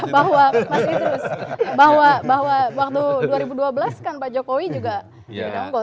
bahwa mas idrus bahwa waktu dua ribu dua belas kan pak jokowi juga unggul